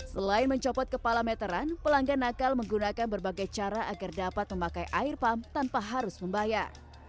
selain mencopot kepala meteran pelanggan nakal menggunakan berbagai cara agar dapat memakai air pump tanpa harus membayar